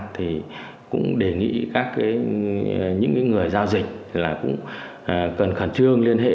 thì cũng đề nghị các những người giao dịch là cũng cần khẩn trương liên hệ